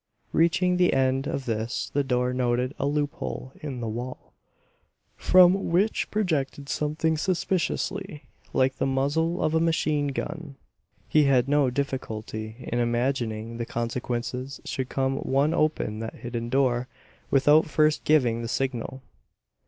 Reaching the end of this the doctor noted a loophole in the wall, from which projected something suspiciously, like the muzzle of a machine gun. He had no difficulty in imagining the consequences should some one open that hidden door without first giving the signal.